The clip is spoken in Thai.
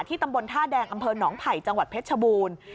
ตำบลท่าแดงอำเภอหนองไผ่จังหวัดเพชรชบูรณ์